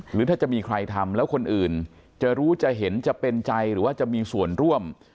หรือถ้าจะมีใครทำแล้วคนอื่นจะรู้จะเห็นจะเป็นใจหรือว่าจะมีส่วนร่วม